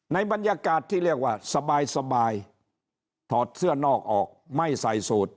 ในบรรยากาศที่เรียกว่าสบายถอดเสื้อนอกออกไม่ใส่สูตร